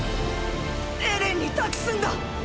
エレンに託すんだ。